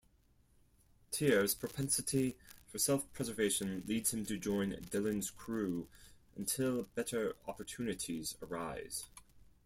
Tyr's propensity for self-preservation leads him to join Dylan's crew until better opportunities arise.